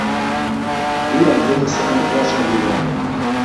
deya yig`i-sig`ini boshlab yubordi